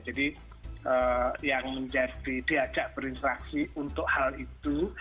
jadi yang menjadi diajak berinteraksi untuk hal itu